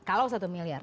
kalau satu miliar